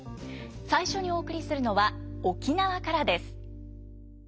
最初にお送りするのは沖縄からです。